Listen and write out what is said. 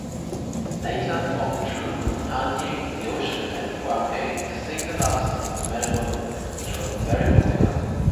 Later, formed a troupe with Han Ying, the ocean and Huang He to sing the love songs of men and women, which was very popular.